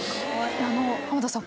浜田さん